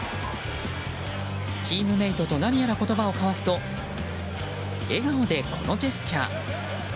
チームメートと何やら言葉を交わすと笑顔でこのジェスチャー。